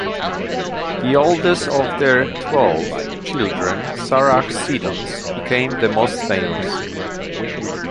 The oldest of their twelve children, Sarah Siddons, became the most famous.